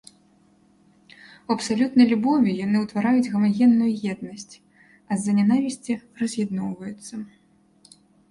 У абсалютнай любові яны ўтвараюць гамагенную еднасць, а з-за нянавісці раз'ядноўваюцца.